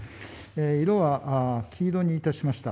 色は黄色にいたしました。